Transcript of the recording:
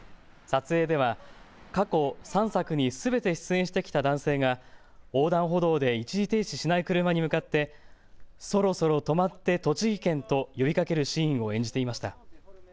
撮影では過去３作にすべて出演してきた男性が横断歩道で一時停止しない車に向かってそろそろ止まってとちぎ県！と呼びかるシーンを演じていました。